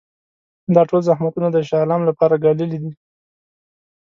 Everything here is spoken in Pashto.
دا ټول زحمتونه د شاه عالم لپاره ګاللي دي.